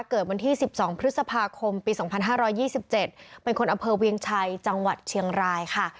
เกิดวันที่๑๒พฤษภาคมปี๒๕๒๗เป็นคนอำเภอเวียงชัยจังหวัดเชียงรายค่ะ